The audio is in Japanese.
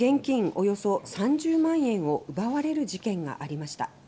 およそ３０万円を奪われる事件がありました。